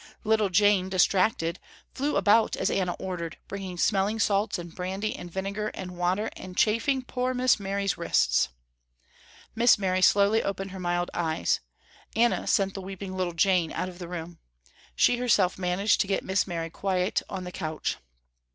Little Jane, distracted, flew about as Anna ordered, bringing smelling salts and brandy and vinegar and water and chafing poor Miss Mary's wrists. Miss Mary slowly opened her mild eyes. Anna sent the weeping little Jane out of the room. She herself managed to get Miss Mary quiet on the couch.